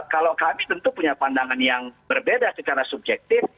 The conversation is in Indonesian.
kalau kami tentu punya pandangan yang berbeda secara subjektif